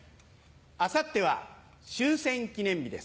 あさっては終戦記念日です。